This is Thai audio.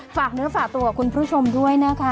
ฝากเนื้อฝากตัวกับคุณผู้ชมด้วยนะคะ